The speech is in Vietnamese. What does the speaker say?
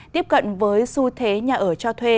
tiếp cận với xu thế nhà ở cho thuê